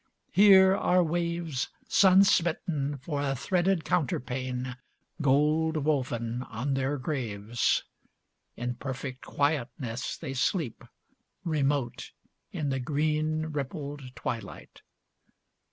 Here are waves Sun smitten for a threaded counterpane Gold woven on their graves. In perfect quietness they sleep, remote In the green, rippled twilight.